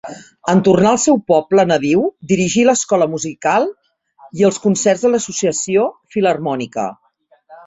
En tornar al seu poble nadiu, dirigí l'escola musical i els concerts de l'Associació Filharmònica.